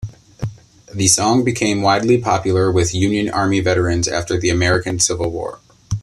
The song became widely popular with Union Army veterans after the American Civil War.